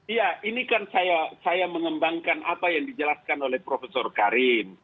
iya ini kan saya mengembangkan apa yang dijelaskan oleh prof karim